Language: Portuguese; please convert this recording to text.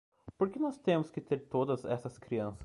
Por que nós temos que ter todas essas crianças?